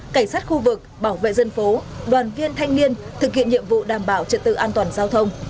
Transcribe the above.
cảnh sát khu vực bảo vệ dân phố đoàn viên thanh niên thực hiện nhiệm vụ đảm bảo trật tự an toàn giao thông